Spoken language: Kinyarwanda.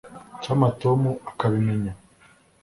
icyampa tom akabimenya